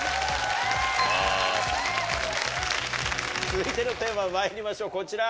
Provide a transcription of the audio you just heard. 続いてのテーマまいりましょうこちら。